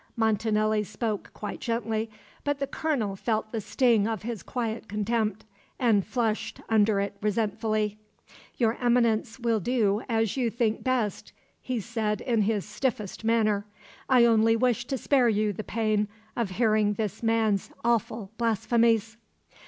Montanelli spoke quite gently, but the colonel felt the sting of his quiet contempt, and flushed under it resentfully. "Your Eminence will do as you think best," he said in his stiffest manner. "I only wished to spare you the pain of hearing this man's awful blasphemies."